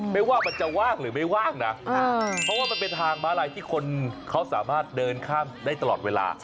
ไม่ว่ามันจะว่างหรือไม่ว่างนะเพราะว่ามันเป็นทางม้าลายที่คนเขาสามารถเดินข้ามได้ตลอดเวลา